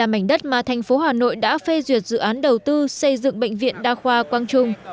ba mảnh đất mà thành phố hà nội đã phê duyệt dự án đầu tư xây dựng bệnh viện đa khoa quang trung